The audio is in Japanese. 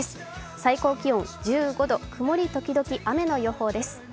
最高気温１５度、曇り時々雨の予報です。